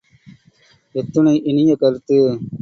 எத்துணை இனிய கருத்து!